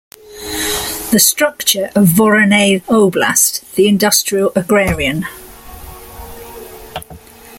The structure of Voronezh Oblast the industrial-agrarian.